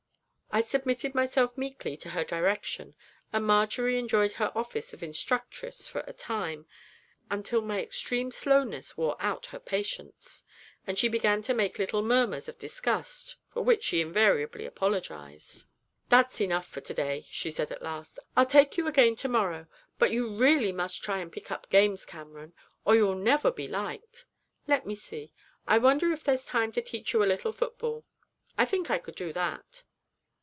I submitted myself meekly to her direction, and Marjory enjoyed her office of instructress for a time, until my extreme slowness wore out her patience, and she began to make little murmurs of disgust, for which she invariably apologised. 'That's enough for to day!' she said at last, 'I'll take you again to morrow. But you really must try and pick up games, Cameron, or you'll never be liked. Let me see, I wonder if there's time to teach you a little football. I think I could do that.'